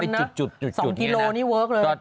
๒กิโลนี่เวิร์คเลย